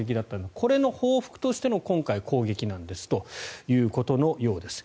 これの報復としての今回、攻撃なんですということのようです。